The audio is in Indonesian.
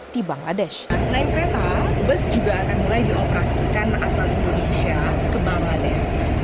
di bangladesh selain kereta bus juga akan mulai dioperasikan asal indonesia ke bangladesh